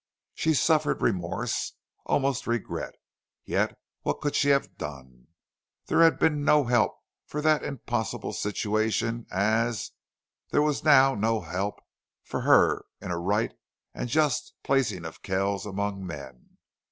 She suffered remorse almost regret. Yet what could she have done? There had been no help for that impossible situation as, there was now no help for her in a right and just placing of Kells among men.